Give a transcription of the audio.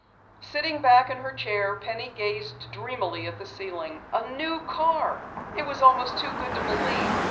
Sinking back in her chair, Penny gazed dreamily at the ceiling. A new car! It was almost too good to believe.